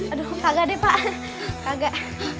aduh kok kagak deh pak kagak